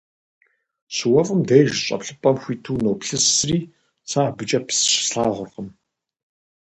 ЩыуэфӀым деж щӀэплъыпӀэм хуиту уноплъысри, сэ абыкӀэ псы щыслъагъуркъым.